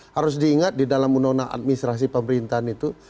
harus diingat di dalam undang undang administrasi pemerintahan itu